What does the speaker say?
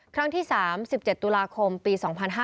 ครั้งที่๓๗ตุลาคมปี๒๕๕๙